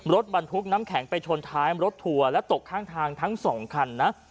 รถบรรทุกน้ำแข็งไปชนท้ายรถทัวร์และตกข้างทางทั้งสองคันนะ